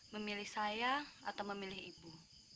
memilih saya atau memilih ibu